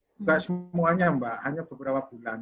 buka semuanya mbak hanya beberapa bulan